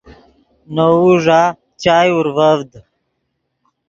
نے وؤ ݱا چائے اورڤڤد